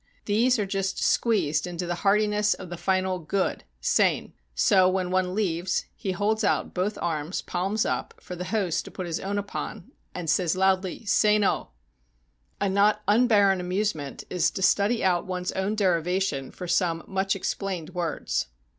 These are just squeezed into the heartiness of the final "good" {sein). So when one leaves, he holds out both arms, palms up, for the host to put his own upon, and says loudly, "Sein oh!" A not unbarren amusement is to study out one's own derivation for some much ex plained words.